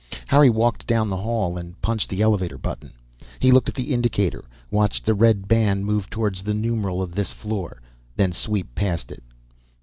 Harry walked down the hall and punched the elevator button. He looked at the indicator, watched the red band move towards the numeral of this floor, then sweep past it.